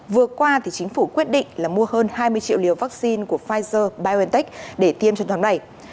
vừa qua chính phủ quyết định mua hơn hai mươi triệu liều vaccine của pfizer biontech để tiêm trong tháng này